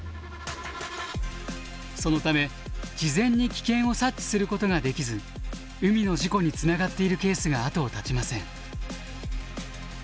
そのため事前に危険を察知することができず海の事故につながっているケースが後を絶ちません。